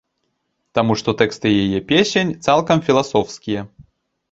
Таму што тэксты яе песень цалкам філасофскія.